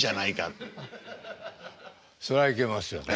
それはいけますよね。